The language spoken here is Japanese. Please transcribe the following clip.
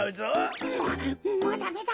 もうダメだ。